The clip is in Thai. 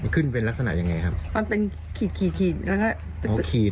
ขึ้นเป็นลักษณะยังไม่ไงครับ